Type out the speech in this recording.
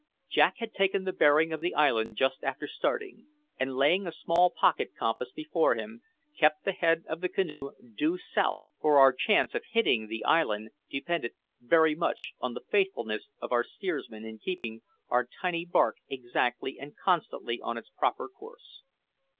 Jack had taken the bearing of the island just after starting, and laying a small pocket compass before him, kept the head of the canoe due south, for our chance of hitting the island depended very much on the faithfulness of our steersman in keeping our tiny bark exactly and constantly on its proper course.